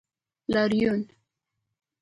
لاریون